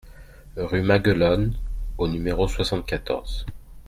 Rue Maguelone au numéro soixante-quatorze